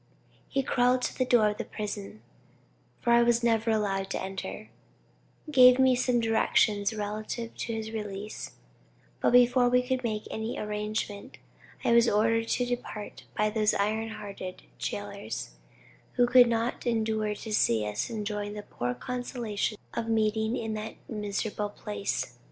He crawled to the door of the prison for I was never allowed to enter gave me some directions relative to his release; but before we could make any arrangement, I was ordered to depart by those iron hearted jailers, who could not endure to see us enjoy the poor consolation of meeting in that miserable place.